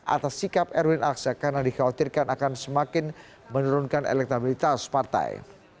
atas sikap erwin aksa karena dikhawatirkan akan semakin menurunkan elektabilitas partai